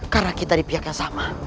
karena kita dari pihak yang sama